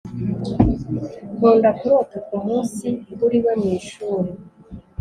nkunda kurota kumunsi kuriwe mwishuri